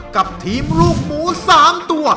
กับทีมลูกหมู๓ตัว